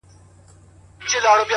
ستا سترگو كي بيا مرۍ، مرۍ اوښـكي~